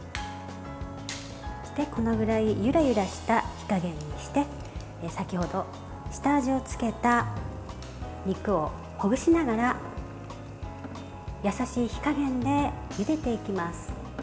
そして、このぐらいゆらゆらした火加減にして先程、下味をつけた肉をほぐしながら優しい火加減で、ゆでていきます。